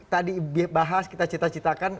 tadi bahas kita ceritakan